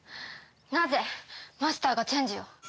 なぜマスターがチェンジを。